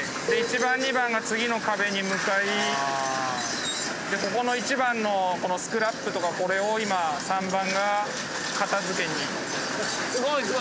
で１番２番が次の壁に向かいここの１番のこのスクラップとかこれを今３番が片づけに行く。